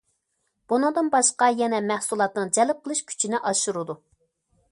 بۇنىڭدىن باشقا يەنە مەھسۇلاتنىڭ جەلپ قىلىش كۈچىنى ئاشۇرىدۇ.